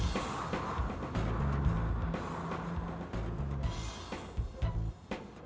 sampai jumpa lagi